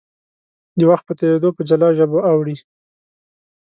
د وخت په تېرېدو په جلا ژبو اوړي.